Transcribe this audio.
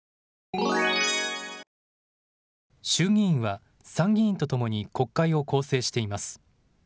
衆議院は参議院とともに国会を構成しています。